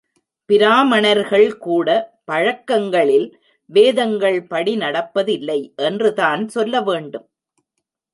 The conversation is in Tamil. பிராமணர்கள் கூட பழக்கங்களில் வேதங்கள்படி நடப்பதில்லை என்று தான் சொல்ல வேண்டும்.